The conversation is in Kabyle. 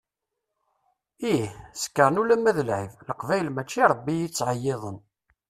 Ih, sekkṛen ulamma d lεid, Leqbayel mačči i Rebbi i ttεeyyiden.